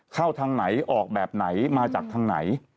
เข้าทางไหนออกแบบไหนมาจากทางไหน